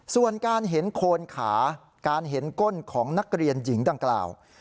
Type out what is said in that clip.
ส่วนการเห็นโคนขาการเห็นก้นของนักเรียนหญิงดังกล่าว